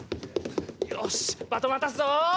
よしバトン渡すぞ。